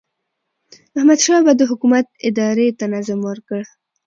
احمدشاه بابا د حکومت ادارې ته نظم ورکړ.